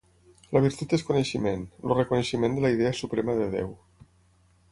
La Virtut és coneixement, el reconeixement de la Idea suprema de Déu.